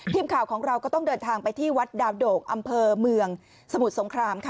ทีมข่าวของเราก็ต้องเดินทางไปที่วัดดาวโด่งอำเภอเมืองสมุทรสงครามค่ะ